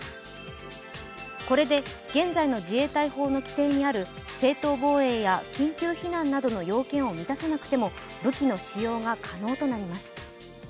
これで現在の自衛隊法の規定にある正当防衛や緊急避難などの要件を満たさなくても武器の使用が可能となります。